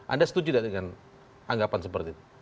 anda setuju tidak dengan anggapan seperti itu